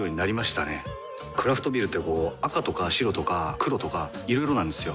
クラフトビールってこう赤とか白とか黒とかいろいろなんですよ。